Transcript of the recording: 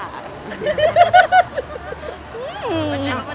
หวัง